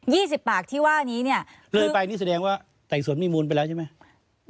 ี่สิบปากที่ว่านี้เนี่ยเลยไปนี่แสดงว่าไต่สวนมีมูลไปแล้วใช่ไหม